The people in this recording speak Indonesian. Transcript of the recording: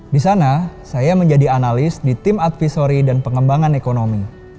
di sana saya menjadi analis di tim advisory dan pengembangan ekonomi